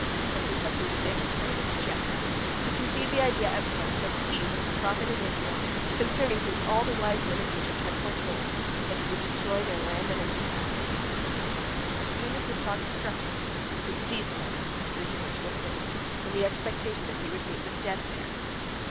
Moses uprooted it and carried it to Jethro, who conceived the idea at once that he was the prophet in Israel concerning whom all the wise men of Egypt had foretold that he would destroy their land and its inhabitants. As soon as this thought struck him, he seized Moses, and threw him into a pit, in the expectation that he would meet with death there.